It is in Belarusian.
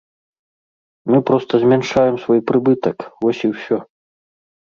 Мы проста змяншаем свой прыбытак, вось і ўсё.